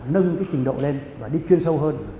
nâng cái trình độ lên và đi chuyên sâu hơn